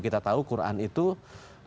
kita tahu quran itu itu sangat prinsip